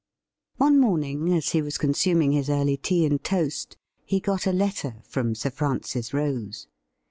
One morning, as he was consuming his early tea and toast, he got a letter from Sir Francis Rose.